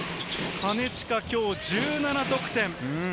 金近、今日１７得点。